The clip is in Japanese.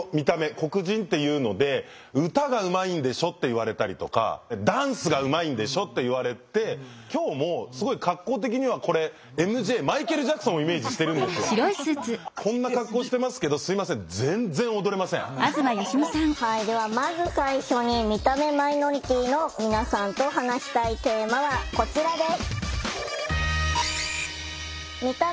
黒人っていうので「歌がうまいんでしょ」って言われたりとか「ダンスがうまいんでしょ」って言われてはいではまず最初に見た目マイノリティーの皆さんと話したいテーマはこちらです。